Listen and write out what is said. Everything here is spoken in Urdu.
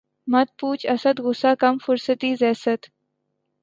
مت پوچھ اسد! غصۂ کم فرصتیِ زیست